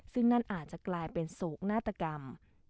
ซึ่งนั่นอาจจะกลายเป็นโศกนาฏกรรม